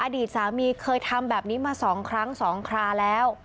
อดีตสามีเคยทำแบบนี้มา๒ครั้ง๒คราแล้ว